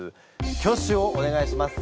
挙手をお願いします。